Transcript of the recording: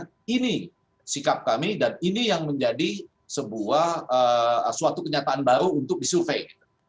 mungkin saja di belakangnya ada kartel tapi mereka mengatakan ini sikap kami dan ini yang menjadi sebuah suatu kenyataan baru untuk disurvei